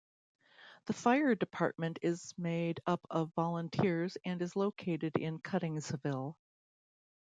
The fire department is made up of volunteers and is located in Cuttingsville.